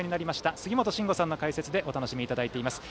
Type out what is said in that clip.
杉本真吾さんの解説でお楽しみいただいています。